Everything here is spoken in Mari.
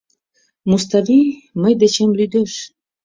Муставий мый дечем лӱдеш.